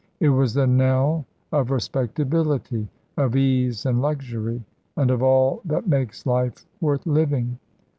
It was the knell of respectability, of ease and luxury, and of all that makes life worth living.